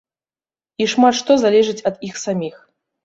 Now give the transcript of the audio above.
І шмат што залежыць ад іх саміх.